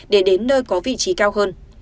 để đến nơi có vị trí cao hơn